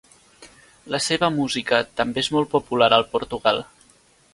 La seva música també és molt popular al Portugal.